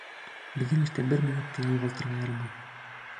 Беҙҙең эштә бер минутты ла юғалтырға ярамай.